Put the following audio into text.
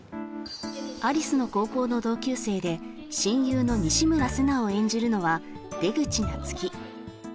有栖の高校の同級生で親友の西村世奈を演じるのは出口夏希